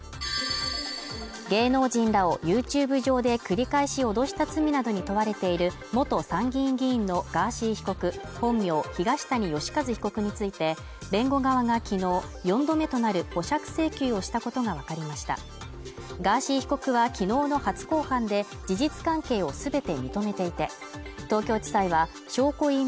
芸能人らを ＹｏｕＴｕｂｅ 上で繰り返し脅した罪などに問われている元参議院議員のガーシー被告本名東谷義和被告について弁護側が昨日４度目となる保釈請求をしたことが分かりました洗剤で驚くことなんて